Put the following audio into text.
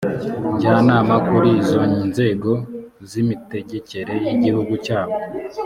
njyanama kuri izo nzego z imitegekere y igihugu cyabo